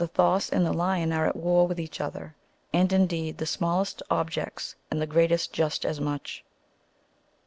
The thos and the lion are at war ^^dth each other; and, indeed, the smallest objects and the greatest just as much.